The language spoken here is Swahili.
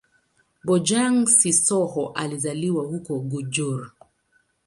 Bojang-Sissoho alizaliwa huko Gunjur.